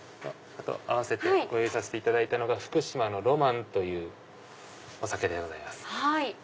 合わせてご用意させていただいたのが福島のロ万というお酒でございます。